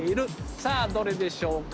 さあどれでしょうか？